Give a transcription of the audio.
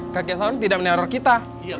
kakek sarung tidak meneror kita